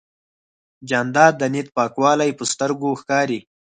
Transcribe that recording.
جانداد د نیت پاکوالی په سترګو ښکاري.